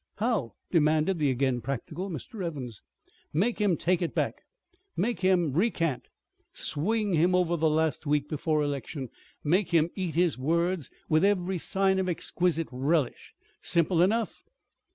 "How?" demanded the again practical Mr. Evans. "Make him take it back; make him recant; swing him over the last week before election. Make him eat his words with every sign of exquisite relish. Simple enough!"